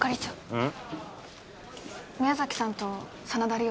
うん？